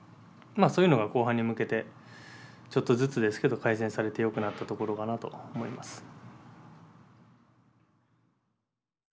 そういうのが後半に向けてちょっとずつですけど改善されてよくなったところかなと思います。